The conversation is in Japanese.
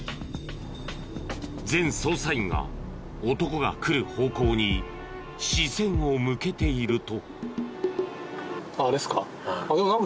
全捜査員が男が来る方向に視線を向けていると。